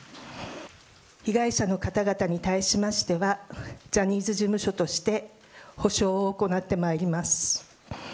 被害者の方々に対しましてはジャニーズ事務所として補償を行ってまいります。